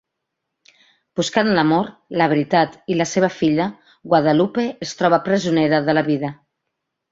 Buscant l'amor, la veritat i la seva filla, Guadalupe es troba presonera de la vida.